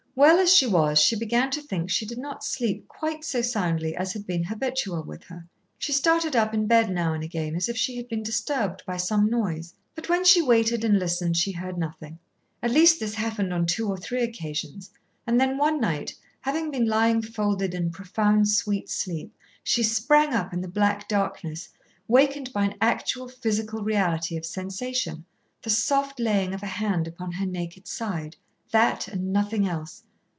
Well as she was, she began to think she did not sleep quite so soundly as had been habitual with her. She started up in bed now and again as if she had been disturbed by some noise, but when she waited and listened she heard nothing. At least this happened on two or three occasions. And then one night, having been lying folded in profound, sweet sleep, she sprang up in the black darkness, wakened by an actual, physical reality of sensation, the soft laying of a hand upon her naked side, that, and nothing else.